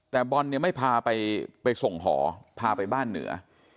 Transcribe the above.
แต่บอลเนี่ยไม่พาไปส่งหอพาไปบ้านเหนือ